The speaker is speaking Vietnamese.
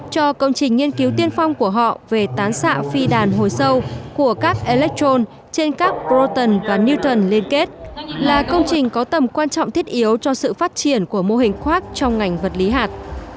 cho công trình nghiên cứu tiên phong của họ về tán xạ phi đàn hồi sâu của các electron trên các proton và newton liên kết là công trình có tầm quan trọng thiết yếu cho sự phát triển của mô hình khoác trong ngành vật lý hạt